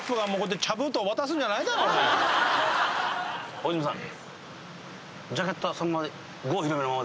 大泉さん